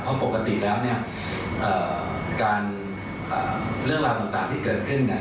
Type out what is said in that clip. เพราะปกติแล้วการเลิกลาศนชาติที่เกิดขึ้น